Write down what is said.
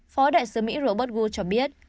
phó đại sứ mỹ robert gould cho biết